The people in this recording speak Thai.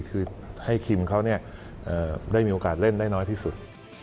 คือให้คิมเขาได้มีโอกาสเล่นได้น้อยที่สุด